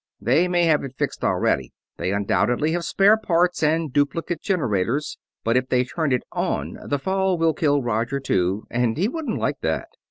"They may have it fixed already. They undoubtedly have spare parts and duplicate generators, but if they turn it on the fall will kill Roger too, and he wouldn't like that.